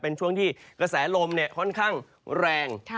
เป็นช่วงที่กระแสลมค่อนข้างแรง